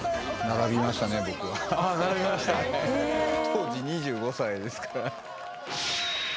３２１！当時２５歳ですから。